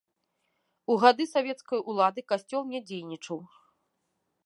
У гады савецкай улады, касцёл не дзейнічаў.